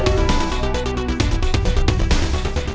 terima kasih udah nonton